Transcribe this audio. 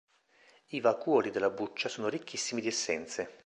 I vacuoli della buccia sono ricchissimi di essenze.